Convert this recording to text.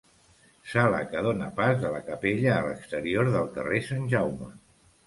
Sala que dóna pas de la Capella a l'exterior del Carrer Sant Jaume.